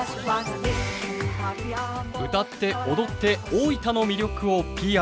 歌って踊って大分の魅力をＰＲ。